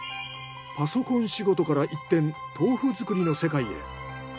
パソコン仕事から一転豆腐作りの世界へ。